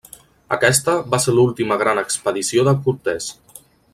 Aquesta va ser l'última gran expedició de Cortés.